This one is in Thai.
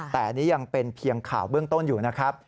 แต่อันนี้ยังเป็นเพียงข่าวเบื้องต้นอยู่นะครับ